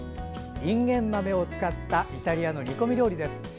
いんげん豆を使ったイタリアの煮込み料理です。